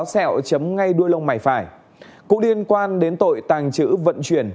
cũng liên quan đến tội tàng trữ vận chuyển